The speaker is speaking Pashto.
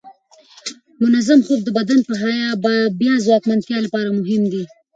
منظم خوب د بدن د بیا ځواکمنتیا لپاره مهم دی.